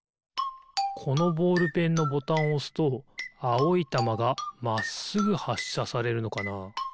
このボールペンのボタンをおすとあおいたまがまっすぐはっしゃされるのかな？